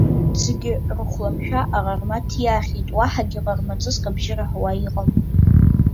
Урҭ зегьы рыхәламшәа аҟарма ҭиаахьеит, уаҳагьы ҟармаҵыск абжьы раҳауа иҟам.